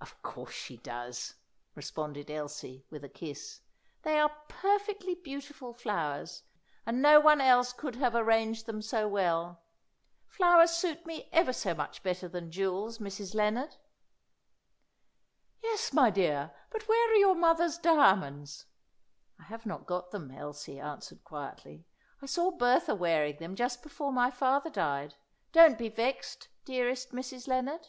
"Of course she does," responded Elsie, with a kiss. "They are perfectly beautiful flowers, and no one else could have arranged them so well. Flowers suit me ever so much better than jewels, Mrs. Lennard." "Yes, my dear. But where are your mother's diamonds?" "I have not got them," Elsie answered quietly. "I saw Bertha wearing them just before my father died. Don't be vexed, dearest Mrs. Lennard."